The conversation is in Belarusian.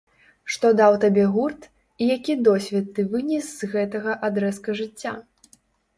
Што даў табе гурт, і які досвед ты вынес з гэтага адрэзка жыцця?